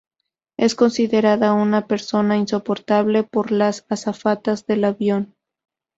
Es considerada una persona insoportable por las azafatas del avión.